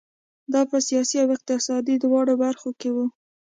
دا په سیاسي او اقتصادي دواړو برخو کې وو.